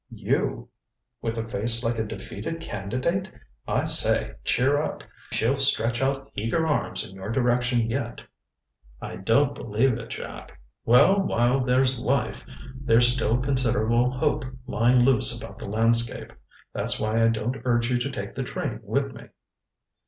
"You? With a face like a defeated candidate? I say, cheer up! She'll stretch out eager arms in your direction yet." "I don't believe it, Jack." "Well, while there's life there's still considerable hope lying loose about the landscape. That's why I don't urge you to take the train with me."